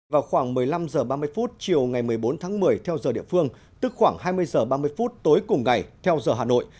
vào khoảng một mươi năm h ba mươi chiều ngày một mươi bốn tháng một mươi theo giờ địa phương tức khoảng hai mươi h ba mươi phút tối cùng ngày theo giờ hà nội